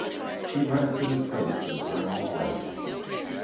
She laughed in his face and turned away.